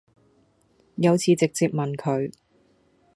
有次直接問佢